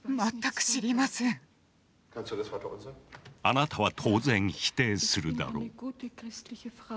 あなたは当然否定するだろう。